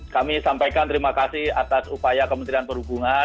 kami sampaikan terima kasih atas upaya kementerian perhubungan